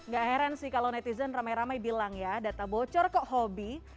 gak heran sih kalau netizen ramai ramai bilang ya data bocor kok hobi